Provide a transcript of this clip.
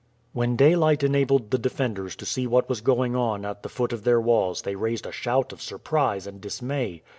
When daylight enabled the defenders to see what was going on at the foot of their walls they raised a shout of surprise and dismay.